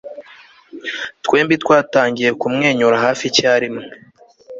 Twembi twatangiye kumwenyura hafi icyarimwe